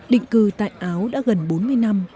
định cư tại áo đã gần bốn mươi năm